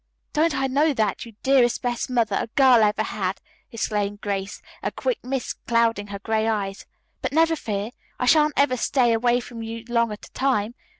"Don't I know that, you dearest, best mother a girl ever had!" exclaimed Grace, a quick mist clouding her gray eyes. "But never fear, I shan't ever stay away from you long at a time.